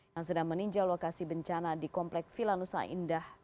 yang sedang meninjau lokasi bencana di komplek vilanusa indah